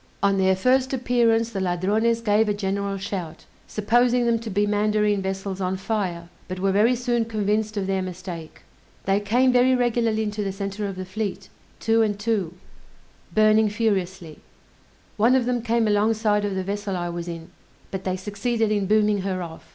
On their first appearance the Ladrones gave a general shout, supposing them to be mandarine vessels on fire, but were very soon convinced of their mistake. They came very regularly into the center of the fleet, two and two, burning furiously; one of them came alongside of the vessel I was in, but they succeeded in booming her off.